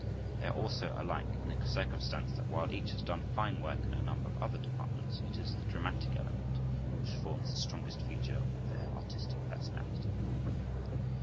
They are also alike in the circumstance that while each has done fine work in a number of other departments, it is the dramatic element which forms the strongest feature of their artistic personality.